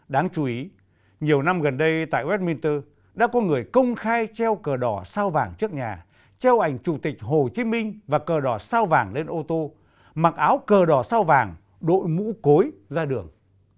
đáng chú ý nhiều năm gần đây tại westminster đã có người công khai treo cờ đỏ sao vàng trước nhà treo ảnh chủ tịch hồ chí minh và cờ đỏ sao vàng lên ô tô mặc áo cờ đỏ sao vàng đội mũ cối ra đường